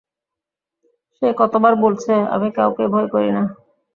সে কত বার বলেছে, আমি কাউকেই ভয় করি না।